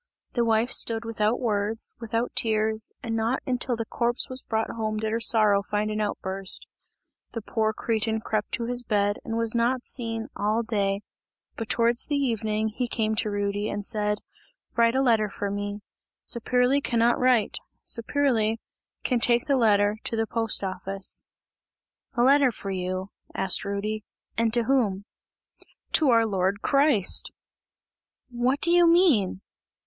The wife stood without words, without tears, and not until the corpse was brought home did her sorrow find an outburst. The poor cretin crept to his bed and was not seen all day, but towards evening he came to Rudy, and said: "Write a letter for me. Saperli cannot write! Saperli can take the letter to the post office." "A letter for you," asked Rudy, "and to whom?" "To our Lord Christ!" "What do you mean?"